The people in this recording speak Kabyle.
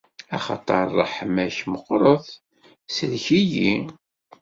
Axaṭer ṛṛeḥma-k meqqret; sellek-iyi!